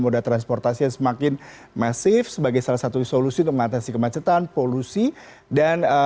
moda transportasi yang semakin masif sebagai salah satu solusi untuk mengatasi kemacetan polusi dan